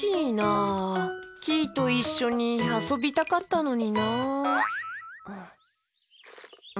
キイといっしょにあそびたかったのになあ。